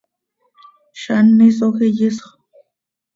z an hisoj ihyisxö.